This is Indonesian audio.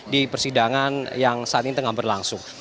di persidangan yang saat ini tengah berlangsung